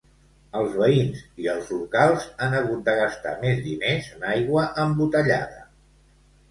Els veïns i els locals han hagut de gastar més diners en aigua embotellada.